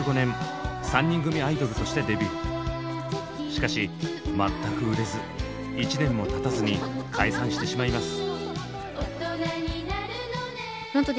しかし全く売れず１年もたたずに解散してしまいます。